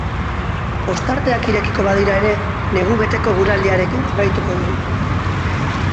Ostarteak irekiko badira ere, negu beteko eguraldiarekin jarraituko dugu.